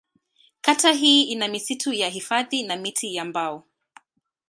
Kata hii ina misitu ya hifadhi na miti ya mbao.